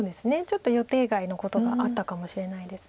ちょっと予定外のことがあったかもしれないです。